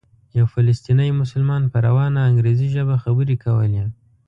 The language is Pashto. یو فلسطینی مسلمان په روانه انګریزي ژبه خبرې کولې.